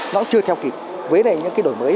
nó chưa theo kịp với những cái đổi mới